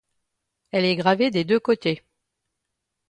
Elle est gravée des deux côtés.